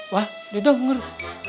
wah udah dong ngeru